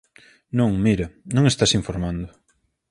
Non, mira, non estás informando.